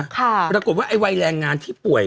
ปรากฏว่าไอ้วัยแรงงานที่ป่วย